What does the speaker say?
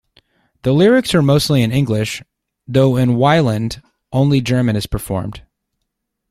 The lyrics are mostly in English, though in "Weiland" only German is performed.